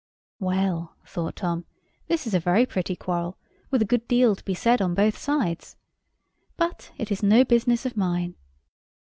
"Well," thought Tom, "this is a very pretty quarrel, with a good deal to be said on both sides. But it is no business of mine."